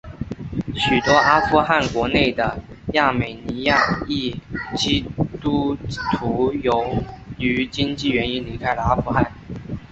许多阿富汗国内的亚美尼亚裔基督徒由于经济原因离开了阿富汗。